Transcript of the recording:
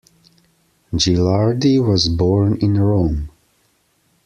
Gilardi was born in Rome.